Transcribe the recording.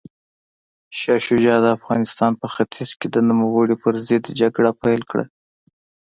شاه شجاع د افغانستان په ختیځ کې د نوموړي پر ضد جګړه پیل کړه.